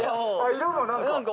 色も何か。